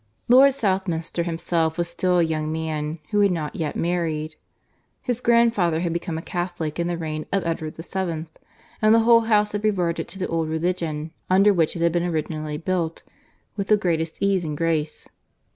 Lord Southminster himself was still a young man, who had not yet married. His grandfather had become a Catholic in the reign of Edward VII; and the whole house had reverted to the old religion under which it had been originally built, with the greatest ease and grace.